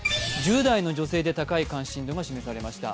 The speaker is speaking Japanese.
１０代の女性で高い関心度が示されました。